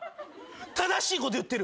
正しいこと言ってる。